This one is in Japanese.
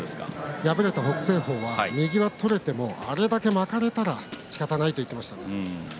敗れた北青鵬は右は取れてもあれだけ巻かれたらしかたないて言っていました。